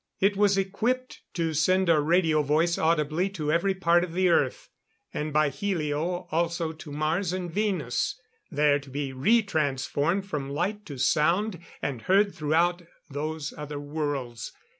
It was equipped to send a radio voice audibly to every part of the Earth; and by helio, also to Mars and Venus, there to be re transformed from light to sound and heard throughout those other worlds.